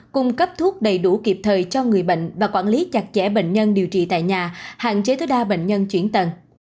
cung cấp thuốc đầy đủ kịp thời cho người bệnh và quản lý chặt chẽ bệnh nhân điều trị tại nhà hạn chế tối đa bệnh nhân chuyển tầng